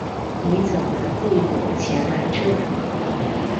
你怎么会有钱买这个？